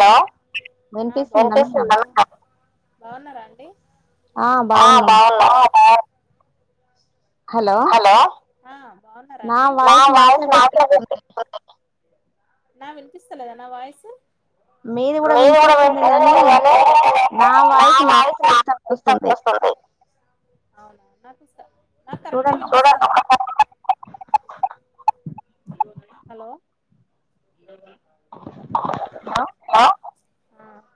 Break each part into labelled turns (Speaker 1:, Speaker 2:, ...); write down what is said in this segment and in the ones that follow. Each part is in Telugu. Speaker 1: హ బాగున్నారా అండి ఆ బావున్నాం హలో హా బాగున్నారాండి నా వాయిస్ నాకే వినిపిస్తుంది నా వినిపిస్తాలేదా నా వాయిసు
Speaker 2: మీది కూడా వినిపిస్తుంది గానీ నా వాయిస్ నాకు రీ సౌండ్ వస్తుంది
Speaker 1: అవునా నాకు నాకు కరెక్టే వినిపిస్తుంది హలో
Speaker 2: హలో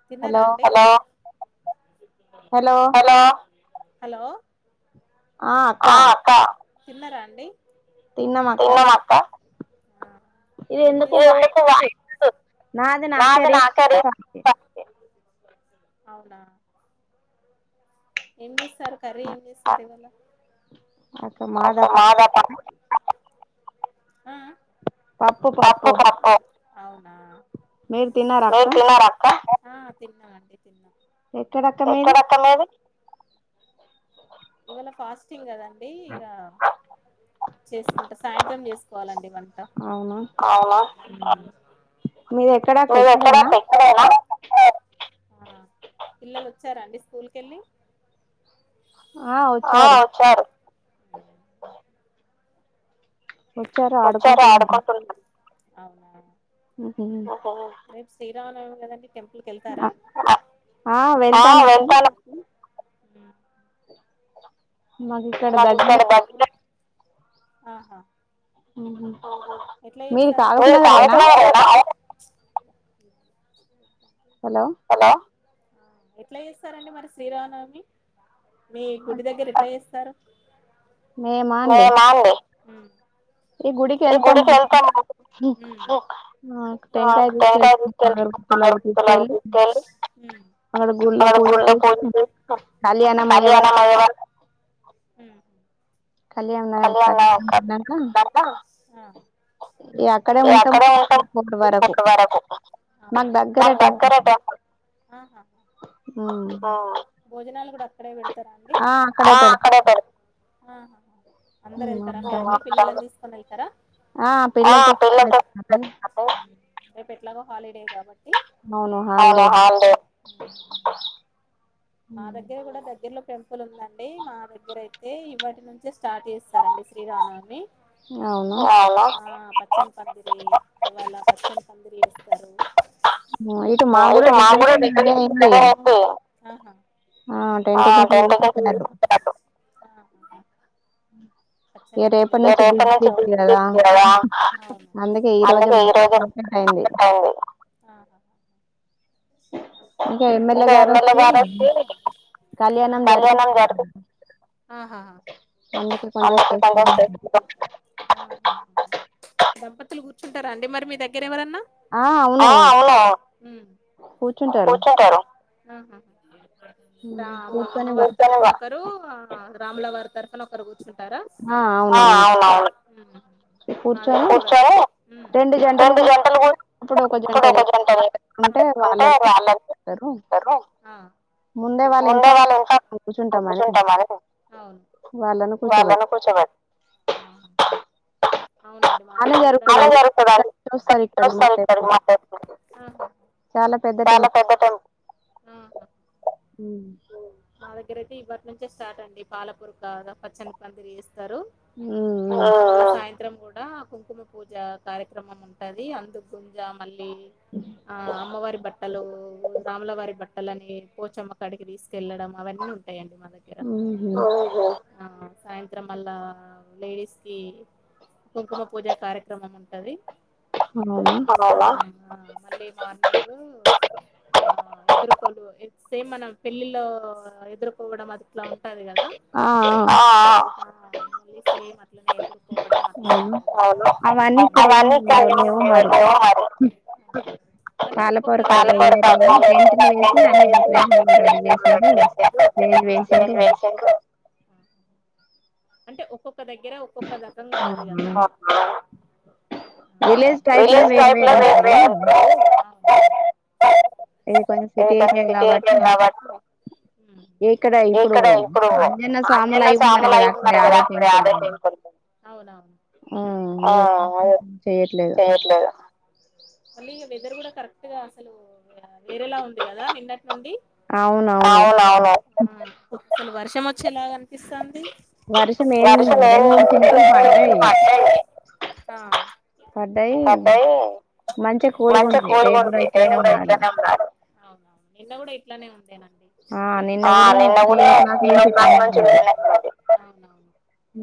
Speaker 1: తిన్నారా అండి హలో హలో
Speaker 2: ఆ అక్క
Speaker 1: తిన్నరా అండి తిన్నాం అక్క
Speaker 2: ఇది ఎందుకు వాయిస్ నాది నాకే రీ సౌండ్ వస్తుంది
Speaker 1: అవునా ఎం చెస్ స్తారు కర్రీ ఇవాళ ఆ
Speaker 2: పప్పు పప్పు మీరు తిన్నారా అక్క
Speaker 1: ఆ తిన్నాం అండి తిన్నాం ఎక్కడ అక్క మీది ఇవాళ ఫాస్టింగ్ కదండి ఇగ చేసుకుంటా సాయంత్రం చేసుకోవాలండి మన వంట అవునా ఉమ్ మీది ఎక్కడ అక్క ఇక్కడేనా ఆ పిల్లలు వచ్చారా అండి స్కూల్ కెళ్ళి
Speaker 2: ఆ వచ్చారు
Speaker 1: వచ్చారు ఆడుకుంటున్నారు అవునా
Speaker 2: ఉహు
Speaker 1: శ్రీరామనవమి కదండీ టెంపుల్ కి వెళ్తారా ఆ వెళ్తాను మాకు ఇక్కడ దగ్గర ఆహా అవునా ఎట్లా చేస్తారు అక్కడ మీరు కాయ ఇచ్చినారు కదా
Speaker 2: హలో
Speaker 1: ఎట్లా చేస్తారండి మరి శ్రీరామనవమి మీ గుడి దగ్గర ఎట్లా చేస్ సర
Speaker 2: మేమా అండి
Speaker 1: ఉ గుడికి వెళ్తాము ఉ ఆ టెంకాయలు తీసుకొని వెళ్ళా ము కాయ్ కొట్టుకొని తీసుకొని వెళ్ళాము అ గుడిలో పూజ చేస్తాం ఉ సంధ్యా వాళ్ళ అమ్మ వాళ్ళు
Speaker 2: కళ్యాణ్ ఉన్నాడా కళ్యాణ్ ఉన్నారా అక్కడే ఉంటాం ఈవినింగ్ వరకు మాకు దగ్గరే టెంపుల్
Speaker 1: ఆహా ఆ భోజనాలు కూడా అక్కడే పెడతారా అండి అ అక్కడే పెడ ఆ అందరు వెళ్తారా పిల్లలని తీసుకొని వెళ్తారా
Speaker 2: ఆ పిల్లలతో [inaudible]
Speaker 1: ఎట్లాగో హాలిడే కాబట్టి
Speaker 2: అవును హాల్ డే
Speaker 1: నా దగ్గర కూడా దగ్గరలో టెంపుల్ ఉందండి మా దగ్గరయితే ఇవాళ్టి నుంచే స్టార్ట్ చేస్తారండి శ్రీరామనవమి
Speaker 2: అ
Speaker 1: ఆ పచ్చని పందిరి ఈవాళ పచ్చని పందిరి ఏస్తారు [inaudible] ఆహా ఆ [inaudible] పచ్చని పందిరి [inaudible] ఆవ్ ఇంకా ఏం ఎల్ ఏ గారు వచ్చి కళ్యాణం జరిపి ఆహా
Speaker 2: అందుకే కొంచం స్పెషల్ గా
Speaker 1: దంపతులు కూర్చుంటారా అండి మరి మీ దగ్గర ఎవరన్నా ఆ అవును కూర్చుంటారు రా అమ్మవారి తరపున ఒకరు రాములవారి తరపున ఒకరు కూర్చు టారా అవునవును కూర్చొని
Speaker 2: రెండు జంటలు కూర్చు అప్పుడు ఒక జంటనే ఉంటే వాళ్ళని
Speaker 1: వాళ్ళను ఆ ఉండే వాళ్ళు ఉంటారు [inaudible] అవును వాళ్ళను కూర్చోబెట్
Speaker 2: బానే జరుగుతుందండి ఇక్క చూస్తారు ఇక్కడి మా [inaudible] చాలా పెద్ద టెంపుల్ ఉ
Speaker 1: దగ్గర అయితే ఇప్పవాటి నుంచే స్టార్ట్ అండి పాలపూర క పచ్చని పందిరి ఏసీ
Speaker 2: ఉ ఉ
Speaker 1: సాయంత్రం కూడా ఆ కుంకుమ పూజ కార్యక్రమం ఉంటది అందుకు గుంజ మళ్ళీ డి ఆ అమ్మవారి బట్టలు రాములవారి బట్టలని పోచమ్మకాడికి తీసుకెళ్లడం అవన్నీ ఉ ఉంటాయి అండి మా దగ్గర ఓహో ఆ సాయంత్రం మల్లా లేడీస్ కి కుంకుమ పూజ కార్యక్రమం ఉంటది అవున ఆ మళ్ళీ మార్నింగ్ ఆ ఎదురుకోలువు సేమ్ మనం పెళ్ళిలో ఎదుర్కోవడం అదిట్లా ఉ ఉంటది కదా ఆ మళ్ళీ సేమ్ ఎదుర్కోవడం అవును అవన్నీ [unintelligible] అంటే ఒక్కక్క [unintelligible]
Speaker 2: ఇది వేసిండు
Speaker 1: ఆ అంటే ఒక్కొక్క దగ్గర ఒక్కొక్క రకంగా ఉంటది కదా ఆ విలేజ్ టైప్ లో వేరు వేరు
Speaker 2: ఇది కొంచం సిటీ అయిపోయింది కాబట్టి
Speaker 1: ఉ ఇక్కడ ఇప్పుడు అంజన్న సాములు అయి ఉన్నారు కద [unintelligible] అవునవును
Speaker 2: [inaudible] చేయట్లేద
Speaker 1: మళ్ళీ ఇగ వెదర్ కూడా కరెక్ట్ గా అసలు వేరేలా ఉంది కదా నిన్న అండి అసలు వర్షం వచ్చేలాగ పిస్తాంది వర్షమూ [unintelligible] ఆ పడ్డాయి మంచి కూల్ గుంటది ఎప్పుడు ఇట్లనే [unintelligible] అవునా ఎండ గూడా ఇట్లనే ఉండెనా అండి ఆ నిన్న గూడా త్రీ ఓ క్లాక్ నుంచి [unintelligible]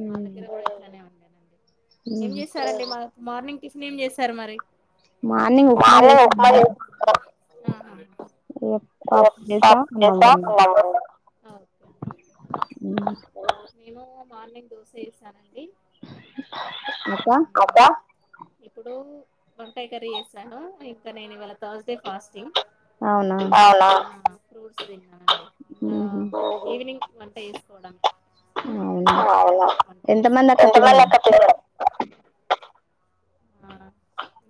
Speaker 1: మాదగ్గర గూడా ఇట్లనే ఉంది ఏం చేసారండి మార్ మార్నింగ్ టిఫిన్ ఏం చేసారు మర్ మార్నింగ్ ఉప్మా జేస్నా
Speaker 2: ఏ పప్ చేశా అన్నం రెండు ఊ
Speaker 1: మేము మార్నింగ్ దోశ ఏసాన్
Speaker 2: అత్త
Speaker 1: ఇప్పుడు వంకాయ కర్రీ చేసాను ఇంకా నేను ఇవాళ థర్స్డే ఫాస్ట్ టింగ్ అవునా
Speaker 2: ఊహు
Speaker 1: వంట ఏసుకోవడాని అ అలాగా ఎంత మంది అక్క పిల్లలు ఆ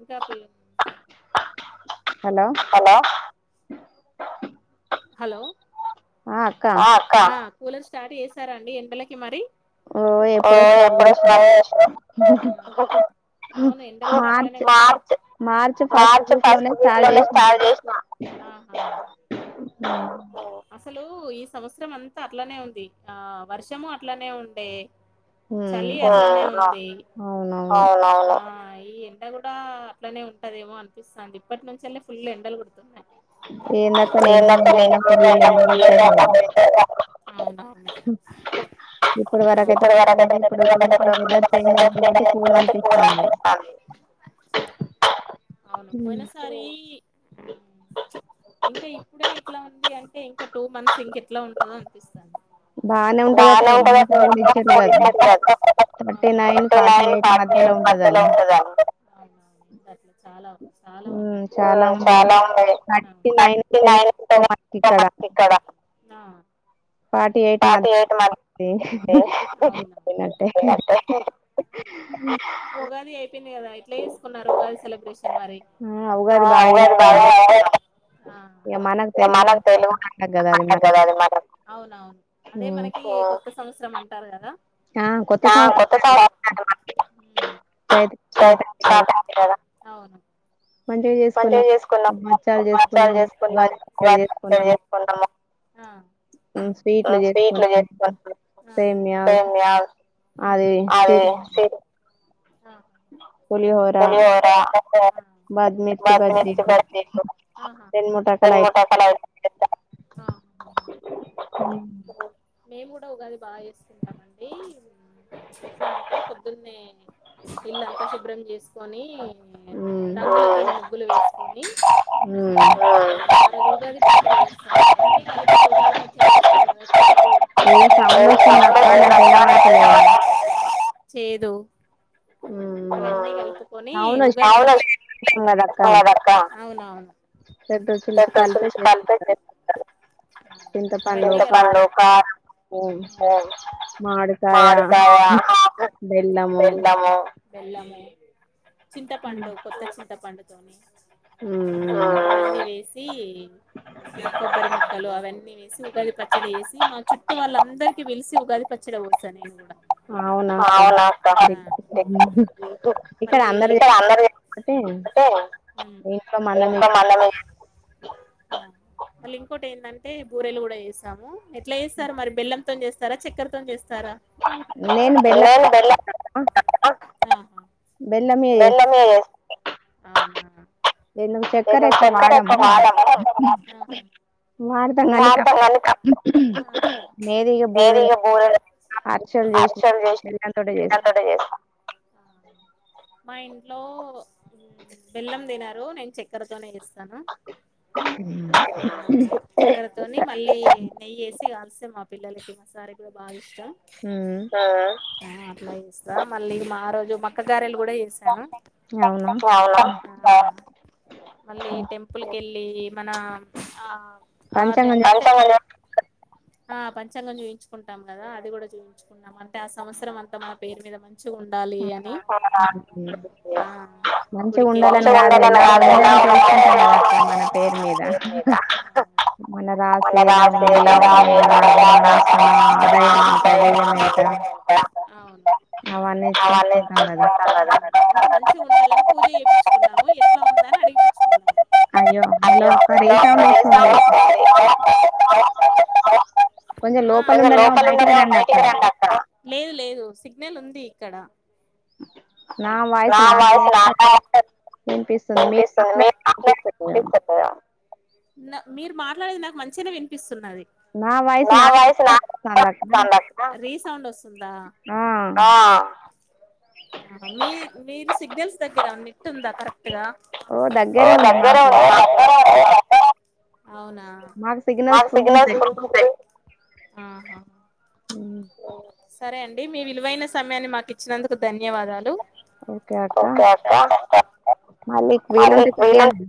Speaker 1: ఇంకా పి
Speaker 2: హలో
Speaker 1: హలో ఆ అక్కా ఆ కూలర్ స్టార్ట్ చేసారాండి ఎండలకి మరి ఓ ఎప్పుడో స్టార్ట్ జేస్నాం అవును ఎండలు గూడా అట్లనే కొడ్తున్నాయ్ మార్చ్ ఫస్ట్ వీక్ లోనే స్టార్ట్ చేసిన ఆహా
Speaker 2: ఊమ్
Speaker 1: అసలు ఈ సంవత్సరం అంతా అట్లనే ఉంది. ఆ వర్షము అట్లనే ఉండే చలి అట్లనే ఉండే ఆఆ అవునవును ఆ ఈ ఎండ గూడా అట్లనే ఉంటదేమో అనిపిస్తాంది. ఇప్పటి నుంచల్లే ఫుల్ ఎండలు కొడుతున్నాయ్. ఏందక్కా [unintelligible]
Speaker 2: ఇప్పుడు వరక అయితే ప [unintelligible] ఇప్పుడు కొంచెం వెదర్ చేంజ్ అయింది కాబట్టి కూల్ అనిపిస్తాంది.
Speaker 1: పోతాంది అవును పోయిన సారీ ప్చ్ ఇంకా ఇప్పుడే ఇట్లా ఉంది అంటే ఇంక టూ మంత్స్ ఇంక ఎట్లా ఉంటదో అనిపిస్తాంది. బానే ఉంటదటు [unintelligible] ఫార్టీ నైన్ ఫార్టీ ఎయిట్ మధ్యలో ఉంటద చాలా చాలా ఉన్నయ్ ఆ చాలా ఉన్నయ్ తర్టీ నైన్ [unintelligible] ఒ ఫస్ట్ ఇక్కడ ఆ ఫార్టీ ఎయిట్ మ ఏ ఉగాది ఏ అయ్‌పోయింది కదా ఎట్ల చేసుకున్నారు. ఉగాది సెలబ్రేషన్ మరి. ఆ ఉగాది బాగా ఆ ఇగ మనం తెలుగు [unintelligible] అవునవును అదే మనకి కొత్త సంవత్సరం అంటారు కదా
Speaker 2: ఆ కొత్త సంవసరం రై స్టట్ అయింది కదా
Speaker 1: అవును మంచిగా చేసుకున్నాం సాలు చేసుకున్నం. ఉగాది పచ్చడి చేసుకున్నాం ఆ స్వీట్లోే చేసుకున్నాము సెమియా ఊ అవు తే పులిహోర మరి మిర్చి బజ్జీలు దెం మటా కలా
Speaker 2: ఊ
Speaker 1: ఉగాది బాగా చేసుకుంటామండి పొద్దున్నే ఇల్లు అంత శుభ్రం చేసుకొని రంగుల ముగ్గులు వేసుకొని ఆ అ ఉగాది పచ్చడి చేస్తామండి
Speaker 2: ఏదో సౌండ్ వస్తుంది అక్క నాకు ఏమి వినపడలేదు
Speaker 1: చేదు ఆ వు అవునవును [unintelligible] చింతపండు కారం మామిడికాయ బెల్లము బెల్లము చింతపండు కొత్త చింతపండుతోని
Speaker 2: హ్మ్మ్
Speaker 1: కొబ్బరి ముక్కలు అవన్నీ వేసి ఉగాది పచ్చడి చేసి మా చుట్టూ వాళ్ళ అందరికీ పిలిసి ఉగాది పచ్చడి పంచుత నేను కూడా
Speaker 2: అవునాక
Speaker 1: మళ్ళీ అల్లము వేసి ఆ మళ్ళీ ఇంకోటి ఏంటంటే బూరెలు కూడా చేసాము ఎట్లా చేస్తారు మరి బెల్లంతో చేస్తారా చక్కర్ స్తారా లేదు బెల్లము హా
Speaker 2: బెల్లమే వే
Speaker 1: ఆ ఎ చక్కరక్క వాడతాము బూరెలు చేస్తాము మా ఇంట్లో బెల్లం తినరు నేను చక్కెరతోనే చే స్తాను
Speaker 2: హ్మ్మ్
Speaker 1: రితోని మళ్ళీ నెయ్యేసి కాలిస్తే మా పిల్లలకి ఒకసారి కూడా బాగా అట్లా ఇస్తా మళ్ళీ మా రోజు మ పక్క గారెలు కూడా చేస్త అవున మళ్ళీ టెంపుల్ కి వెళ్ళి మన ఆద ఆ పంచాంగం చూయిించుకుంటాం కదా అది కూడా చూయిించుకుంటాము అంటే ఆ సంవత్సరం అంతా మా పేరు మీద మంచి మంచి ఉండాలి అని ఆ
Speaker 2: మంచిగా ఉండాలని కాదు ఎలా ఉందని తెలుసుకుంటాం కదా అక్కడ మన పేరు మీద మన రాశి ఎలా ఉందింది ఆగమా నష్టమా అదయ ఎంత వ్యయమ ఎంత అవానీ
Speaker 1: [unintelligible]
Speaker 2: అయ్యో హలో ఒక ఏ రెసౌండ్ వస్తుంది కొంచెం లోపల ఉన్నారేమో బయటికి రండి అక్క
Speaker 1: లేదు లేదు సిగ్నల్ ఉంది ఇక్కడ ఆ వస్తున్న కనిపిస్తుంది మీకు వినిప్ [inaudible] మీరు మాట్లాడేది నాకు మంచిగానే వినిపిస్తున్నది
Speaker 2: నా వాయిస్ నాకే వినిపిస్తోంది
Speaker 1: రీసౌండ్ వస్తుందా ఆ మీ మీరు సిగ్నల్స్ తగ్గర నిట్ ఉందా కరక్ దగ్గర అవునా నాకు సిగ్నల్ ఫుల్ ఉంది
Speaker 2: హ్మ్మ్
Speaker 1: సరే అండి మీ విలువైన సమయాన్ని మాకు ఇచ్చినందుకు ధన్యవాదాలు
Speaker 2: ఓకే అక్క మళ్ళీ వీలుంటే చెయ్యండి